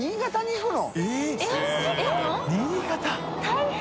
大変！